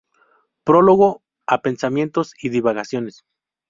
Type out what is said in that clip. Prólogo a Pensamientos y divagaciones.